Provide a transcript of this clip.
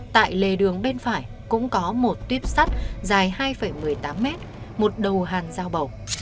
tại lề đường bên phải cũng có một tuyếp sắt dài hai một mươi tám mét một đầu hàn dao bầu